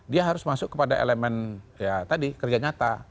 dia harus masuk kepada elemen ya tadi kerja nyata